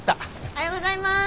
おはようございます。